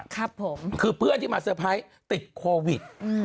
ครับผมคือเพื่อนที่มาเซอร์ไพรส์ติดโควิด